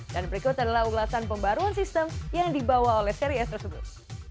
dan berikut adalah ulasan pembaruan sistem yang dibawa oleh seri s tersebut